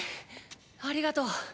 ありがとう。